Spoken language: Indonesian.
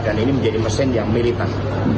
dan ini menjadi mesin yang militan